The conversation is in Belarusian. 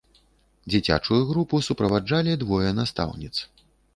Дзіцячую групу суправаджалі двое настаўніц.